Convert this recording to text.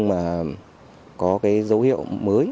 mà có cái dấu hiệu mới